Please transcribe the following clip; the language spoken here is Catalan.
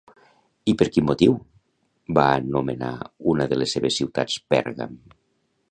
I per quin motiu va anomenar una de les seves ciutats Pèrgam?